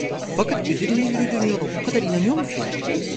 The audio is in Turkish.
Fakat üzerinde yürüdüğün yola bu kadar inanıyor musun?